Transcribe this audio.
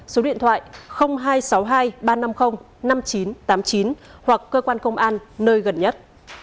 số điện thoại hai trăm sáu mươi hai ba trăm năm mươi năm nghìn chín trăm tám mươi chín hoặc cơ quan công an nơi gần nhất